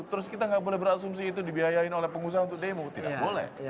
terus kita nggak boleh berasumsi itu dibiayain oleh pengusaha untuk demo tidak boleh